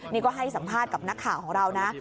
นี่ก็ให้สัมภาษณ์กับนักข่าวของเรานะ